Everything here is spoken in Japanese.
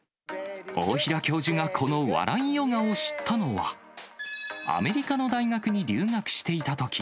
大平教授が、この笑いヨガを知ったのは、アメリカの大学に留学していたとき。